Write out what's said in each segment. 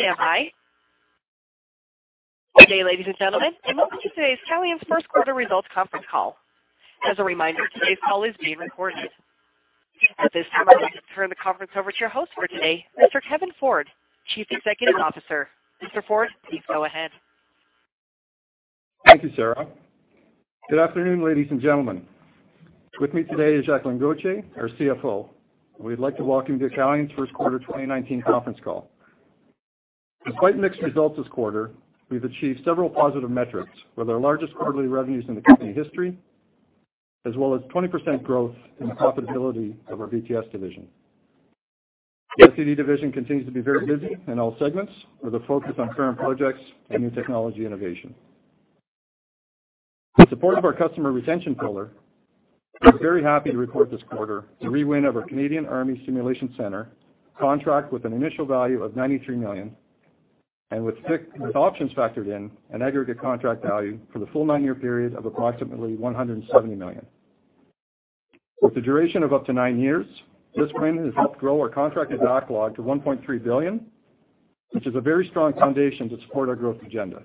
[IVR/AVR] Good day, ladies and gentlemen, and welcome to today's Calian's First Quarter Results Conference Call. As a reminder, today's call is being recorded. At this time, I'd like to turn the conference over to your host for today, Mr. Kevin Ford, Chief Executive Officer. Mr. Ford, please go ahead. Thank you, Sarah. Good afternoon, ladies and gentlemen. With me today is Jacqueline Gauthier, our CFO. We'd like to welcome you to Calian's first quarter 2019 conference call. Despite mixed results this quarter, we've achieved several positive metrics with our largest quarterly revenues in the company history, as well as 20% growth in the profitability of our VTS division. SED division continues to be very busy in all segments, with a focus on current projects and new technology innovation. In support of our customer retention pillar, we're very happy to report this quarter the re-win of our Canadian Army Simulation Centre contract with an initial value of 93 million, and with options factored in, an aggregate contract value for the full nine-year period of approximately 170 million. With a duration of up to nine years, this win has helped grow our contracted backlog to 1.3 billion, which is a very strong foundation to support our growth agenda.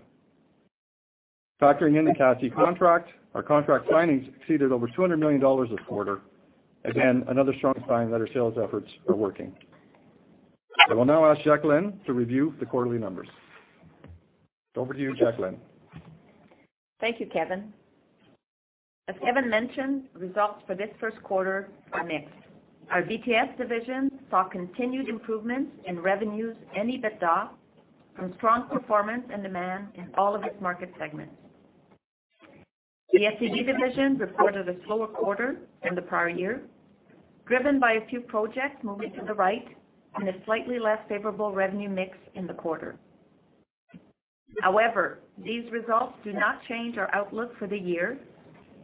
Factoring in the CAC contract, our contract signings exceeded over 200 million dollars this quarter. Again, another strong sign that our sales efforts are working. I will now ask Jacqueline to review the quarterly numbers. Over to you, Jacqueline. Thank you, Kevin. As Jacqueline mentioned, results for this first quarter are mixed. Our VTS division saw continued improvements in revenues and EBITDA from strong performance and demand in all of its market segments. The SED division reported a slower quarter than the prior year, driven by a few projects moving to the right and a slightly less favorable revenue mix in the quarter. However, these results do not change our outlook for the year,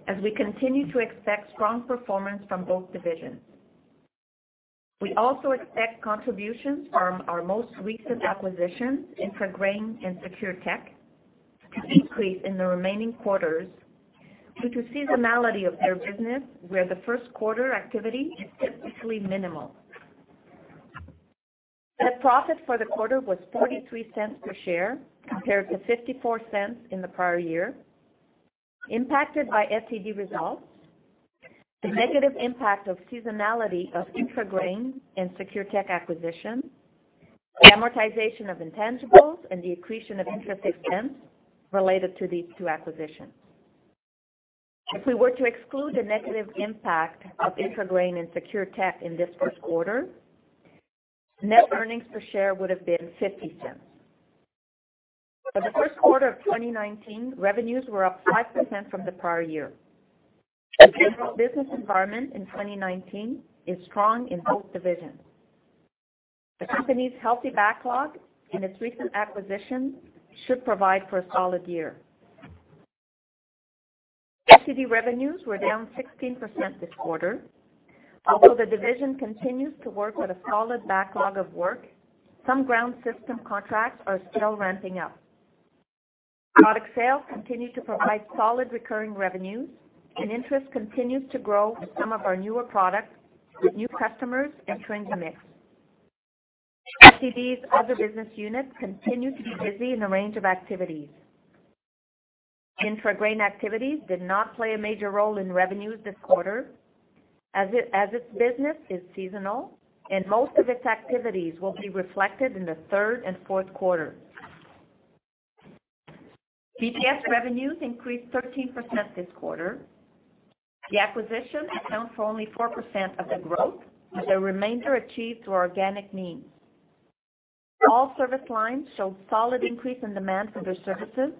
as we continue to expect strong performance from both divisions. We also expect contributions from our most recent acquisitions, IntraGrain and SecureTech, to increase in the remaining quarters due to seasonality of their business, where the first quarter activity is typically minimal. Net profit for the quarter was 0.43 per share compared to 0.54 in the prior year, impacted by SED results, the negative impact of seasonality of IntraGrain and SecureTech acquisition, the amortization of intangibles, and the accretion of interest expense related to these two acquisitions. If we were to exclude the negative impact of IntraGrain and SecureTech in this first quarter, net earnings per share would have been 0.50. For the first quarter of 2019, revenues were up 5% from the prior year. The general business environment in 2019 is strong in both divisions. The company's healthy backlog and its recent acquisitions should provide for a solid year. SED revenues were down 16% this quarter. Although the division continues to work with a solid backlog of work, some ground system contracts are still ramping up. Product sales continue to provide solid recurring revenues. Interest continues to grow with some of our newer products with new customers entering the mix. SED's other business units continue to be busy in a range of activities. IntraGrain activities did not play a major role in revenues this quarter, as its business is seasonal and most of its activities will be reflected in the third and fourth quarters. VTS revenues increased 13% this quarter. The acquisition accounts for only 4% of the growth, with the remainder achieved through organic means. All service lines showed solid increase in demand for their services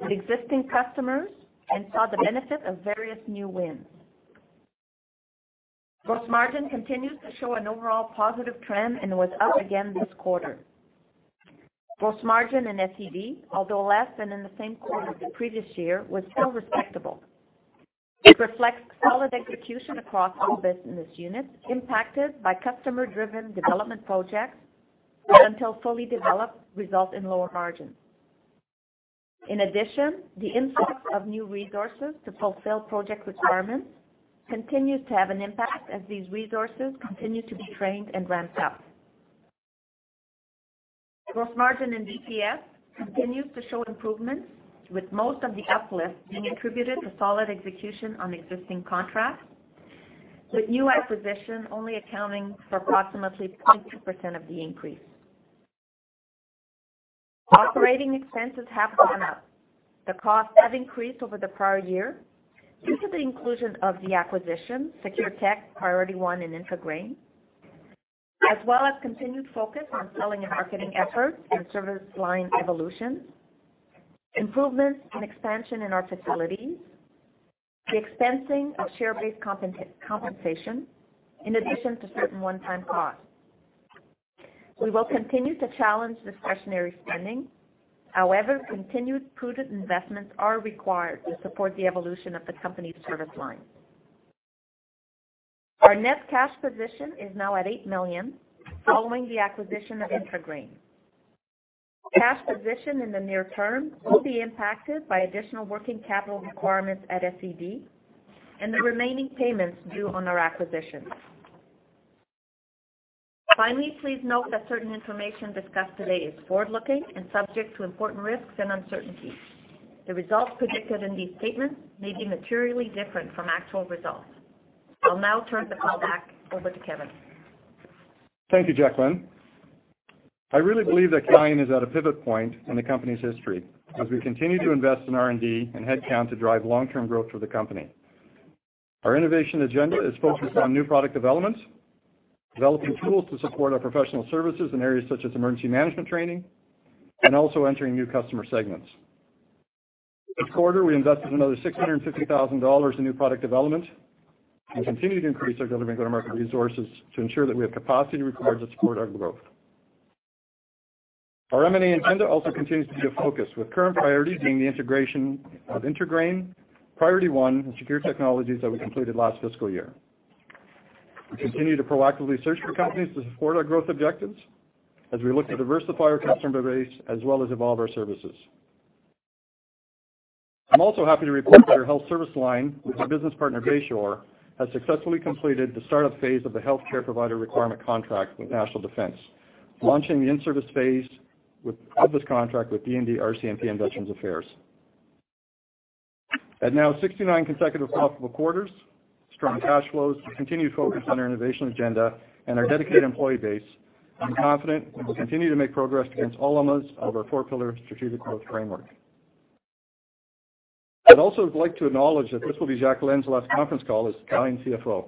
with existing customers and saw the benefit of various new wins. Gross margin continues to show an overall positive trend and was up again this quarter. Gross margin in SED, although less than in the same quarter the previous year, was still respectable. This reflects solid execution across all business units impacted by customer-driven development projects that, until fully developed, result in lower margins. In addition, the influx of new resources to fulfill project requirements continues to have an impact as these resources continue to be trained and ramped up. Gross margin in VTS continues to show improvements, with most of the uplift being attributed to solid execution on existing contracts, with new acquisition only accounting for approximately 22% of the increase. Operating expenses have gone up. The costs have increased over the prior year due to the inclusion of the acquisition, SecureTech, Priority One, and IntraGrain, as well as continued focus on selling and marketing efforts and service line evolution, improvements and expansion in our facilities, the expensing of share-based compensation, in addition to certain one-time costs. We will continue to challenge discretionary spending. However, continued prudent investments are required to support the evolution of the company's service lines. Our net cash position is now at 8 million following the acquisition of IntraGrain. Cash position in the near term will be impacted by additional working capital requirements at SED and the remaining payments due on our acquisition. Finally, please note that certain information discussed today is forward-looking and subject to important risks and uncertainties. The results predicted in these statements may be materially different from actual results. I'll now turn the call back over to Kevin. Thank you, Jacqueline. I really believe that Calian is at a pivot point in the company's history as we continue to invest in R&D and headcount to drive long-term growth for the company. Our innovation agenda is focused on new product development, developing tools to support our professional services in areas such as emergency management training, and also entering new customer segments. This quarter, we invested another 650,000 dollars in new product development and continue to increase our government market resources to ensure that we have capacity required to support our growth. Our M&A agenda also continues to be a focus, with current priorities being the integration of IntraGrain, Priority One, and Secure Technologies that we completed last fiscal year. We continue to proactively search for companies to support our growth objectives as we look to diversify our customer base as well as evolve our services. I'm also happy to report that our health service line with our business partner, Bayshore HealthCare, has successfully completed the startup phase of the healthcare provider requirement contract with Department of National Defence, launching the in-service phase of this contract with DND, RCMP, and Veterans Affairs Canada. At now 69 consecutive profitable quarters, strong cash flows, continued focus on our innovation agenda, and our dedicated employee base, I'm confident that we'll continue to make progress against all elements of our four-pillar strategic growth framework. I'd also like to acknowledge that this will be Jacqueline's last conference call as Calian CFO.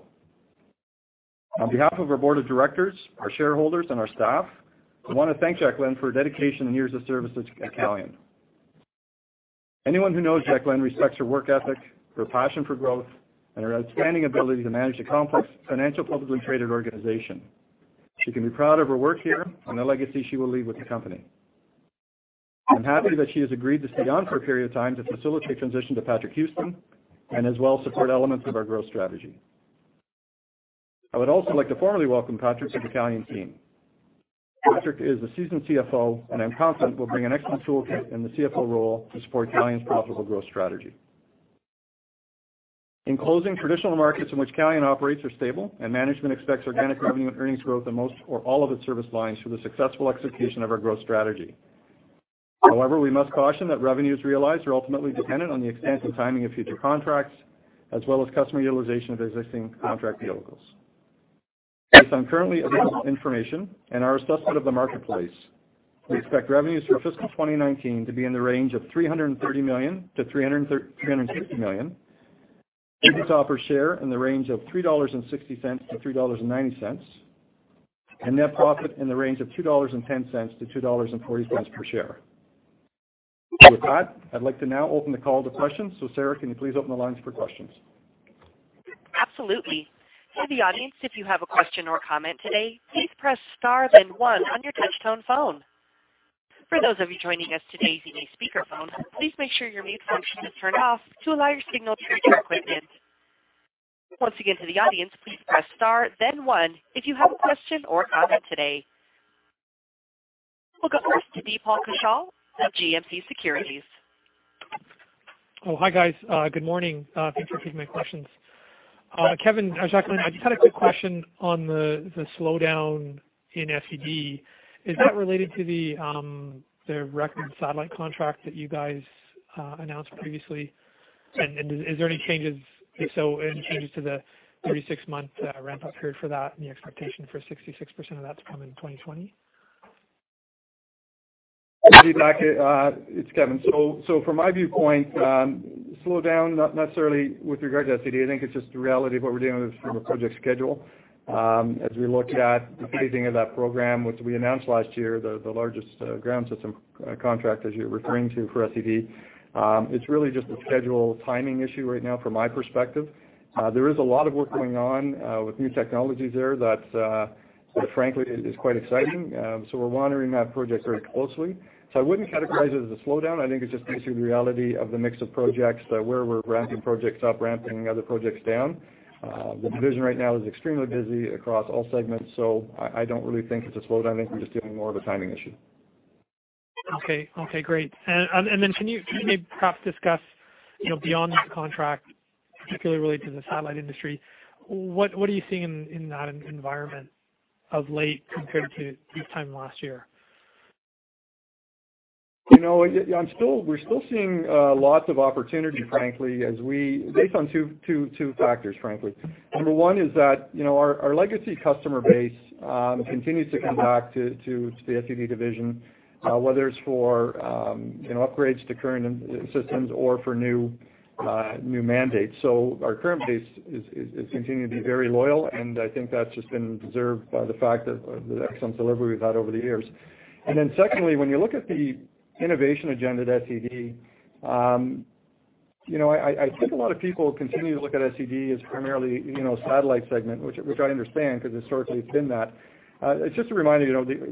On behalf of our board of directors, our shareholders, and our staff, we want to thank Jacqueline for her dedication and years of service at Calian. Anyone who knows Jacqueline respects her work ethic, her passion for growth, and her outstanding ability to manage a complex financial publicly traded organization. She can be proud of her work here and the legacy she will leave with the company. I'm happy that she has agreed to stay on for a period of time to facilitate transition to Patrick Houston and as well support elements of our growth strategy. I would also like to formally welcome Patrick to the Calian team. Patrick is a seasoned CFO, and I'm confident will bring an excellent toolkit in the CFO role to support Calian's profitable growth strategy. In closing, traditional markets in which Calian operates are stable, and management expects organic revenue and earnings growth in most or all of its service lines through the successful execution of our growth strategy. However, we must caution that revenues realized are ultimately dependent on the extent and timing of future contracts as well as customer utilization of existing contract vehicles. Based on currently available information and our assessment of the marketplace, we expect revenues for fiscal 2019 to be in the range of 330 million-360 million, earnings per share in the range of 3.60-3.90 dollars, and net profit in the range of 2.10-2.40 dollars per share. With that, I'd like to now open the call to questions. Sarah, can you please open the lines for questions? Absolutely. For the audience, if you have a question or comment today, please press star then one on your touchtone phone. For those of you joining us today via speakerphone, please make sure your mute function is turned off to allow your signal through to our equipment. Once again, to the audience, please press star then one if you have a question or comment today. We'll go first to Deepak Kaushal of GMP Securities. Hi, guys. Good morning. Thanks for taking my questions. Kevin or Jacqueline, I just had a quick question on the slowdown in SED. Is that related to the record satellite contract that you guys announced previously? Is there any changes, if so, any changes to the 36-month ramp-up period for that and the expectation for 66% of that to come in 2020? Deepak, it's Kevin. From my viewpoint, slowdown not necessarily with regard to SED. I think it's just the reality of what we're dealing with from a project schedule. As we look at the phasing of that program, which we announced last year, the largest ground system contract, as you're referring to, for SED. It's really just a schedule timing issue right now from my perspective. There is a lot of work going on with new technologies there that, frankly, is quite exciting. We're monitoring that project very closely. I wouldn't categorize it as a slowdown. I think it's just basically the reality of the mix of projects, where we're ramping projects up, ramping other projects down. The division right now is extremely busy across all segments, I don't really think it's a slowdown. I think we're just dealing more with a timing issue. Okay. Great. Can you maybe perhaps discuss beyond the contract, particularly related to the satellite industry, what are you seeing in that environment of late compared to this time last year? We're still seeing lots of opportunity, frankly, based on two factors, frankly. Number one is that our legacy customer base continues to come back to the SED division, whether it's for upgrades to current systems or for new mandates. Our current base is continuing to be very loyal, and I think that's just been deserved by the fact of the excellent delivery we've had over the years. Secondly, when you look at the innovation agenda at SED, I think a lot of people continue to look at SED as primarily a satellite segment, which I understand because historically it's been that. Just a reminder,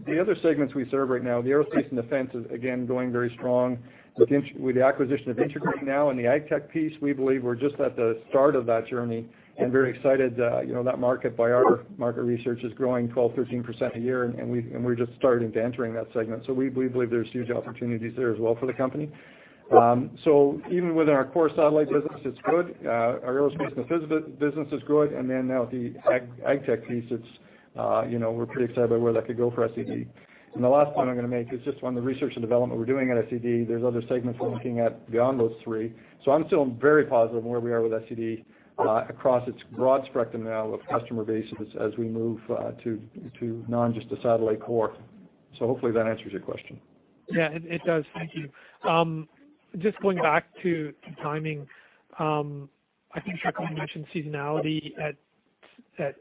the other segments we serve right now, the aerospace and Defence is again growing very strong. With the acquisition of IntraGrain now and the ag tech piece, we believe we're just at the start of that journey and very excited. That market, by our market research, is growing 12%, 13% a year, we're just starting to enter into that segment. We believe there's huge opportunities there as well for the company. Even within our core satellite business, it's good. Our aerospace business is good. Now with the ag tech piece, you know, we're pretty excited by where that could go for SED. The last point I'm going to make is just on the research and development we're doing at SED. There's other segments we're looking at beyond those three. I'm still very positive on where we are with SED, across its broad spectrum now of customer bases as we move to non just a satellite core. Hopefully that answers your question. Yeah, it does. Thank you. Just going back to timing. I think Jacqueline mentioned seasonality at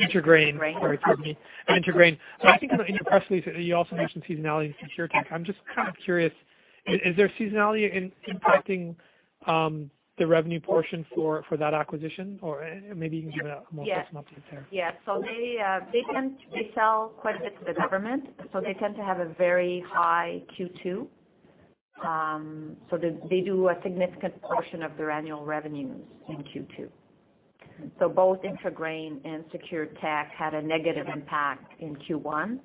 IntraGrain. Sorry, excuse me. IntraGrain. I think in your press release, you also mentioned seasonality in SecureTech. I'm just kind of curious, is there seasonality impacting the revenue portion for that acquisition? Maybe you can give a more personal take there. Yes. They sell quite a bit to the government, they tend to have a very high Q2. They do a significant portion of their annual revenues in Q2. Both IntraGrain and Secure Technologies had a negative impact in Q1,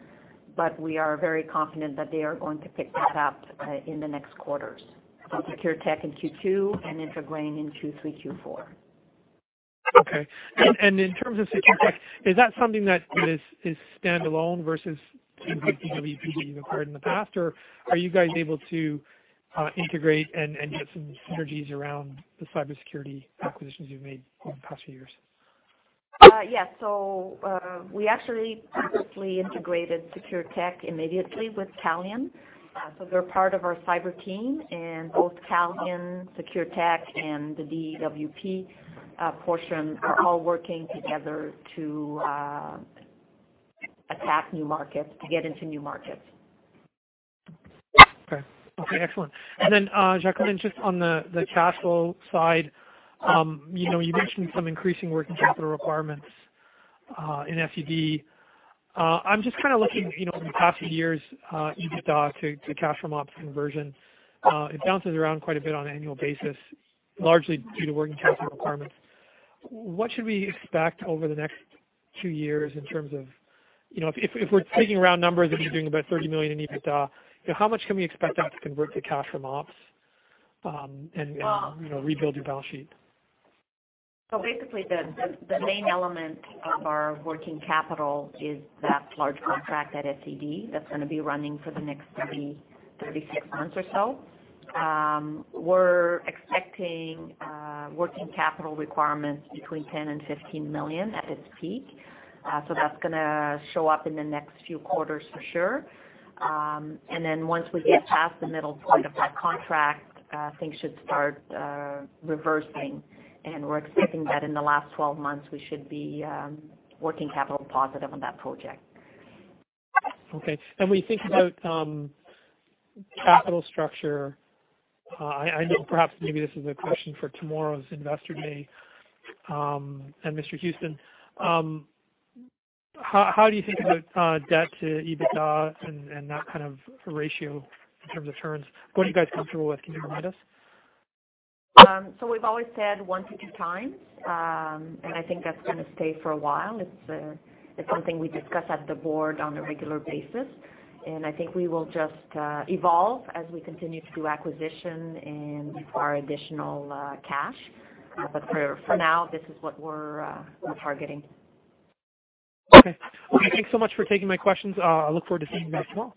but we are very confident that they are going to pick back up in the next quarters. SecureTech in Q2 and IntraGrain in Q3, Q4. Okay. In terms of SecureTech, is that something that is standalone versus DWP that you've acquired in the past, or are you guys able to integrate and get some synergies around the cybersecurity acquisitions you've made in the past few years? Yes. We actually purposely integrated SecureTech immediately with Calian. They're part of our cyber team, and both Calian, SecureTech, and the DWP portion are all working together to attack new markets, to get into new markets. Okay. Excellent. Then, Jacqueline, just on the capital side, you mentioned some increasing working capital requirements in SED. I'm just kind of looking over the past few years, EBITDA to cash from ops conversion. It bounces around quite a bit on an annual basis, largely due to working capital requirements. What should we expect over the next two years in terms of, if we're taking round numbers and you're doing about 30 million in EBITDA, how much can we expect that to convert to cash from ops, and rebuild your balance sheet? Basically, the main element of our working capital is that large contract at SED that's going to be running for the next 30, 36 months or so. We're expecting working capital requirements between 10 million-15 million at its peak. That's going to show up in the next few quarters for sure. Then once we get past the middle point of that contract, things should start reversing. We're expecting that in the last 12 months, we should be working capital positive on that project. Okay. When you think about capital structure, I know perhaps maybe this is a question for tomorrow's investor day, and Mr. Houston. How do you think about debt to EBITDA and that kind of ratio in terms of turns? What are you guys comfortable with? Can you remind us? We've always said one to two times, I think that's going to stay for a while. It's something we discuss at the board on a regular basis, I think we will just evolve as we continue to do acquisition and acquire additional cash. For now, this is what we're targeting. Okay. Well, thanks so much for taking my questions. I look forward to seeing you tomorrow.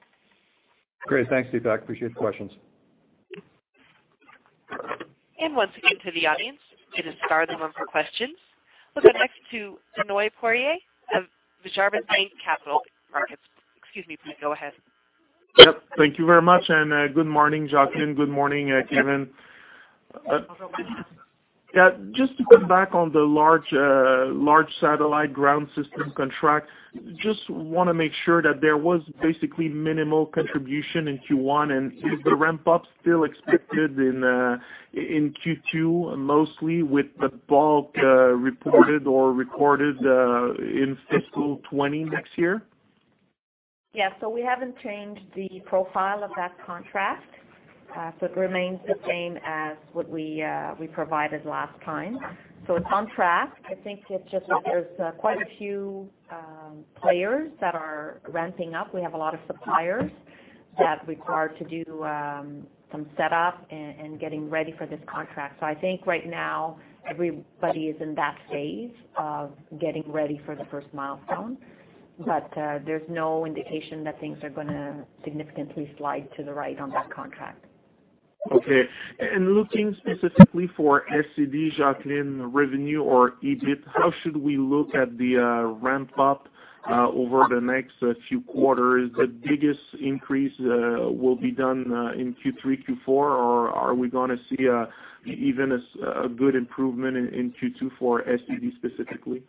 Great. Thanks, Deepak. Appreciate the questions. Once again to the audience, it is now the time for questions. We'll go next to Benoit Poirier of Desjardins Capital Markets. Excuse me. Please go ahead. Yep. Thank you very much. Good morning, Jacqueline. Good morning, Kevin. Just to come back on the large satellite ground system contract, just want to make sure that there was basically minimal contribution in Q1. Is the ramp up still expected in Q2 mostly with the bulk reported or recorded in fiscal 2020 next year?? Yeah. We haven't changed the profile of that contract. It remains the same as what we provided last time. It's on track. I think it's just that there's quite a few players that are ramping up. We have a lot of suppliers that require to do some set up and getting ready for this contract. I think right now everybody is in that phase of getting ready for the first milestone. There's no indication that things are going to significantly slide to the right on that contract. Okay. Looking specifically for SED, Jacqueline, revenue or EBIT, how should we look at the ramp up over the next few quarters? The biggest increase will be done in Q3, Q4, or are we going to see even a good improvement in Q2 for SED specifically?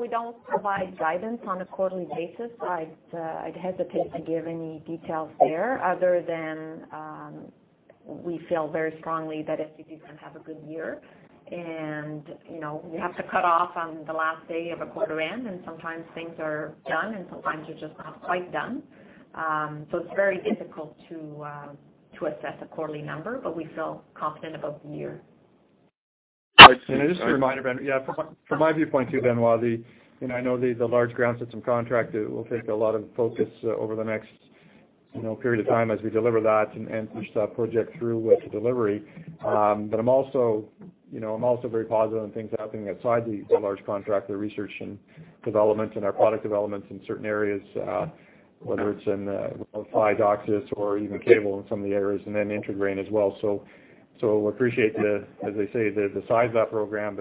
We don't provide guidance on a quarterly basis. I'd hesitate to give any details there other than we feel very strongly that SED is going to have a good year. We have to cut off on the last day of a quarter end, and sometimes things are done and sometimes they're just not quite done. It's very difficult to assess a quarterly number, but we feel confident about the year. Just a reminder, Benoit. From my viewpoint too, Benoit, I know the large ground system contract will take a lot of focus over the next period of time as we deliver that and push that project through with delivery. I'm also very positive on things happening outside the large contract, the research and development and our product developments in certain areas, whether it's in applied Oxus or even [inaudible] in some of the areas, and then IntraGrain as well. Appreciate the, as I say, the size of that program.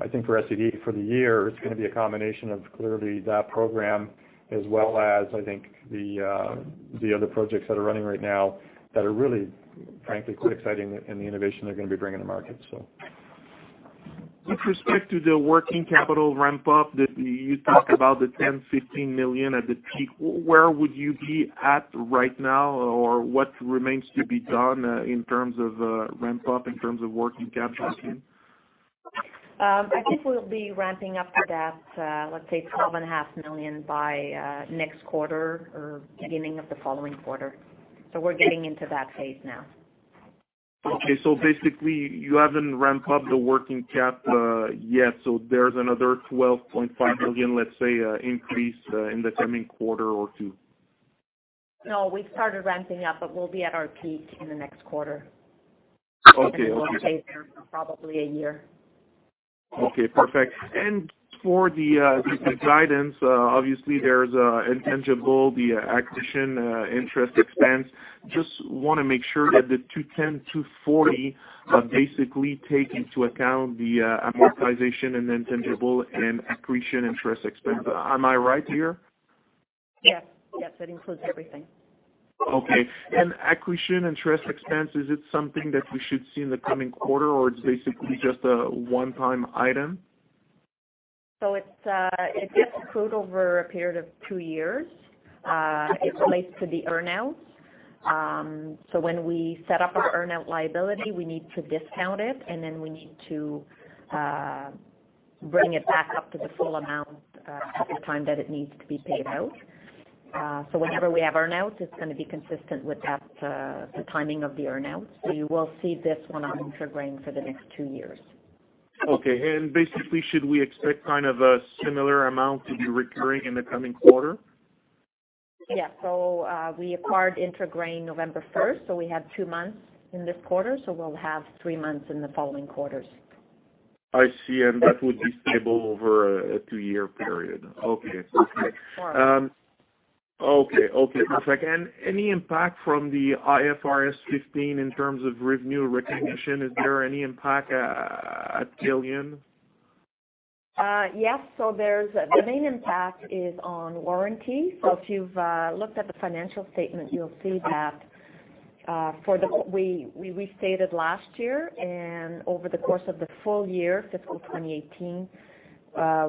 I think for SED for the year, it's going to be a combination of clearly that program as well as I think the other projects that are running right now that are really, frankly, quite exciting in the innovation they're going to be bringing to market. With respect to the working capital ramp-up that you talk about, the 10 million, 15 million at the peak, where would you be at right now, or what remains to be done in terms of ramp-up in terms of working capital, Jacqueline? I think we'll be ramping up to that, let's say, 12.5 million by next quarter or beginning of the following quarter. We're getting into that phase now. Okay. Basically, you haven't ramped up the working cap yet, there's another 12.5 million, let's say, increase in the coming quarter or two. No, we've started ramping up, we'll be at our peak in the next quarter. Okay. We'll stay there for probably a year. Okay, perfect. For the guidance, obviously there's intangible, the accretion interest expense. Just want to make sure that the 210-240 basically take into account the amortization and intangible and accretion interest expense. Am I right here? Yes. That includes everything. Okay. Accretion interest expense, is it something that we should see in the coming quarter, or it's basically just a one-time item? It gets accrued over a period of two years. It relates to the earn-outs. When we set up our earn-out liability, we need to discount it, and then we need to bring it back up to the full amount at the time that it needs to be paid out. So whenever we have earn-outs, it's going to be consistent with the timing of the earn-out. You will see this on IntraGrain for the next two years. Okay. Basically, should we expect kind of a similar amount to be recurring in the coming quarter? Yeah. We acquired IntraGrain November 1st, we have two months in this quarter, we'll have three months in the following quarters. I see. That would be stable over a two-year period. Okay. Correct. Okay, perfect. Any impact from the IFRS 15 in terms of revenue recognition? Is there any impact at Calian? Yes. The main impact is on warranty. If you've looked at the financial statement, you'll see that we restated last year, over the course of the full year, fiscal 2018,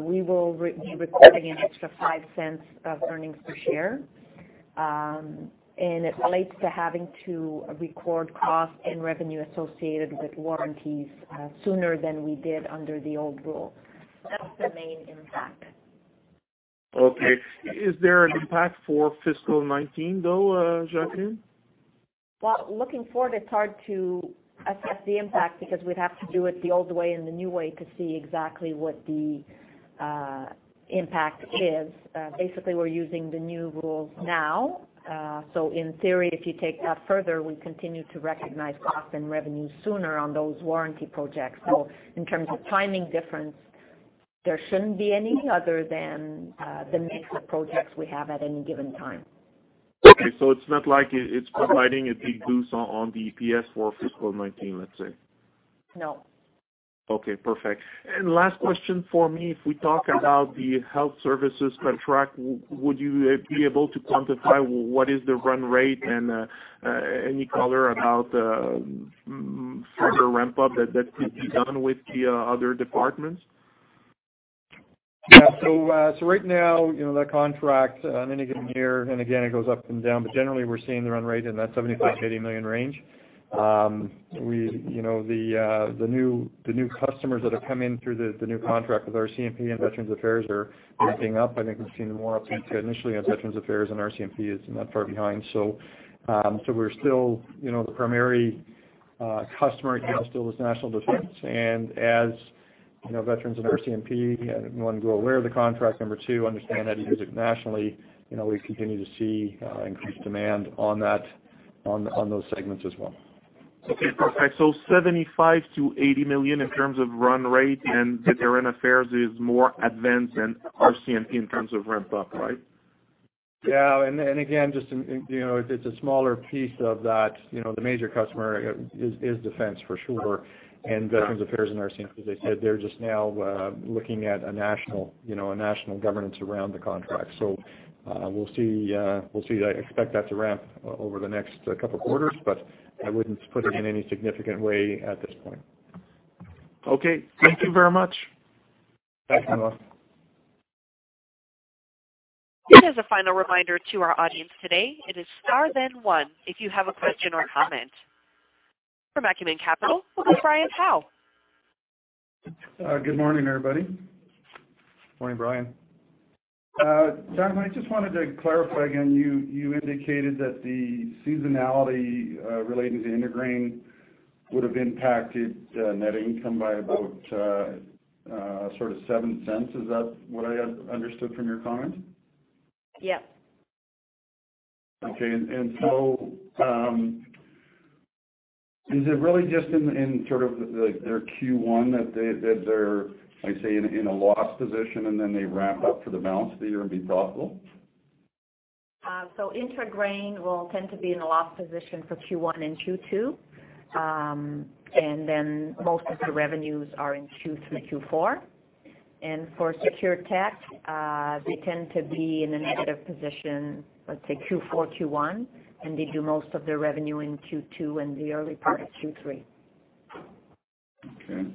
we will be recording an extra 0.05 of earnings per share. It relates to having to record cost and revenue associated with warranties sooner than we did under the old rule. That's the main impact. Okay. Is there an impact for fiscal 2019, though, Jacqueline? Well, looking forward, it's hard to assess the impact because we'd have to do it the old way and the new way to see exactly what the impact is. Basically, we're using the new rules now. In theory, if you take that further, we continue to recognize cost and revenue sooner on those warranty projects. In terms of timing difference, there shouldn't be any other than the mix of projects we have at any given time. Okay. It's not like it's providing a big boost on the EPS for fiscal 2019, let's say. No. Okay, perfect. Last question for me. If we talk about the health services contract, would you be able to quantify what is the run rate and any color about further ramp-up that could be done with the other departments? Yeah. Right now, that contract on any given year, and again, it goes up and down, but generally we're seeing the run rate in that 75 million-80 million range. The new customers that have come in through the new contract with RCMP and Veterans Affairs are ramping up. I think we've seen more uptake initially on Veterans Affairs, and RCMP is not far behind. The primary customer account still is National Defence, and as Veterans and RCMP want to grow aware of the contract, number two, understand how to use it nationally, we continue to see increased demand on those segments as well. Okay, perfect. 75 million-80 million in terms of run rate, Veterans Affairs is more advanced than RCMP in terms of ramp-up, right? Yeah. Again, it's a smaller piece of that. The major customer is Defence for sure, Veterans Affairs and RCMP, as I said, they're just now looking at a national governance around the contract. We'll see. I expect that to ramp over the next couple of quarters, but I wouldn't put it in any significant way at this point.. Okay. Thank you very much. Thanks, Benoit. Just as a final reminder to our audience today, it is star then one if you have a question or comment. From Acumen Capital, Brian Howe. Good morning, everybody. Morning, Brian. Jacq, I just wanted to clarify again, you indicated that the seasonality relating to IntraGrain would've impacted net income by about sort of 0.07. Is that what I understood from your comment? Yes. Okay. Is it really just in their Q1 that they're, I say, in a loss position, then they ramp up for the balance of the year and be profitable? IntraGrain will tend to be in a loss position for Q1 and Q2. Then most of the revenues are in Q3, Q4. For Secure Technologies, they tend to be in a negative position, let's say Q4, Q1, and they do most of their revenue in Q2 and the early part of Q3. Okay.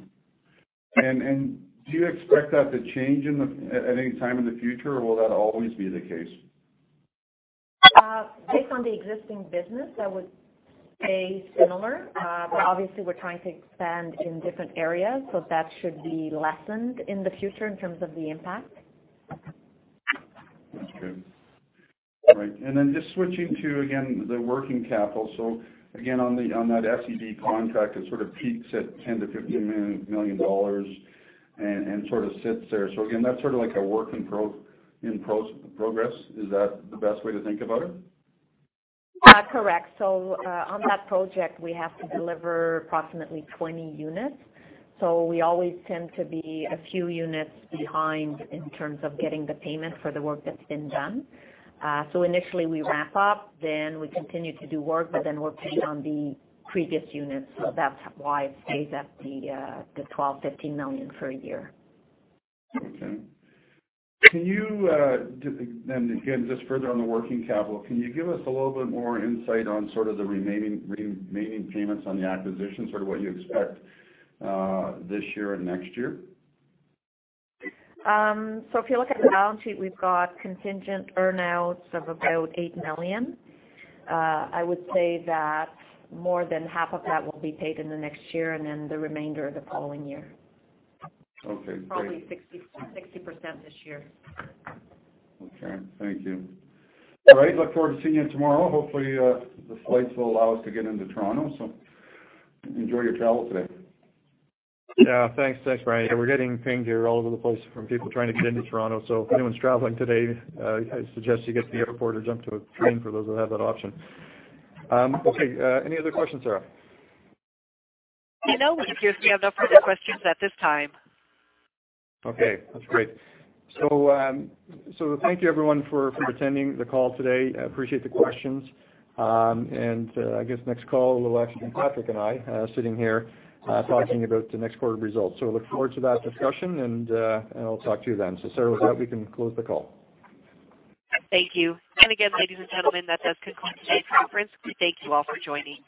Do you expect that to change at any time in the future, or will that always be the case? Based on the existing business, I would say similar. Obviously we're trying to expand in different areas, that should be lessened in the future in terms of the impact. That's good. All right. Just switching to, again, the working capital. Again, on that SED contract, it sort of peaks at 10 million-15 million dollars and sort of sits there. Again, that's sort of like a work in progress. Is that the best way to think about it? Correct. On that project, we have to deliver approximately 20 units. We always tend to be a few units behind in terms of getting the payment for the work that's been done. Initially we ramp up, then we continue to do work, then we're paid on the previous units, that's why it stays at the 12 million, 15 million for a year. Okay. Again, just further on the working capital, can you give us a little bit more insight on sort of the remaining payments on the acquisition, sort of what you expect, this year and next year? If you look at the balance sheet, we've got contingent earn-outs of about 8 million. I would say that more than half of that will be paid in the next year, and then the remainder the following year. Okay, great. Probably 60% this year. Okay, thank you. All right, look forward to seeing you tomorrow. Hopefully, the flights will allow us to get into Toronto. Enjoy your travel today. Thanks, Brian. We're getting pinged here all over the place from people trying to get into Toronto. If anyone's traveling today, I suggest you get to the airport or jump to a train for those that have that option. Any other questions, Sarah? It appears we have no further questions at this time. That's great. Thank you everyone for attending the call today. I appreciate the questions. I guess next call will actually be Patrick and I sitting here, talking about the next quarter results. Look forward to that discussion and I'll talk to you then. Sarah, with that, we can close the call. Thank you. Again, ladies and gentlemen, that does conclude today's conference. Thank you all for joining.